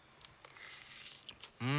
うん！